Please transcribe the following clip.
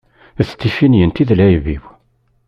D tiffinyent i d lεib-iw.